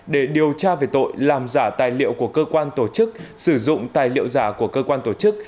để điều tra về tội làm giả tài liệu của cơ quan tổ chức sử dụng tài liệu giả của cơ quan tổ chức